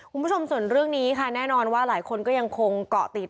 คุณผู้ชมส่วนเรื่องนี้ค่ะแน่นอนว่าหลายคนก็ยังคงเกาะติด